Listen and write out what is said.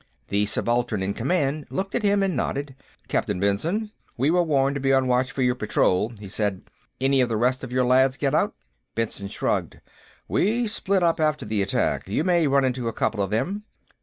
The subaltern in command looked at him and nodded. "Captain Benson? We were warned to be on watch for your patrol," he said. "Any of the rest of you lads get out?" Benson shrugged. "We split up after the attack. You may run into a couple of them.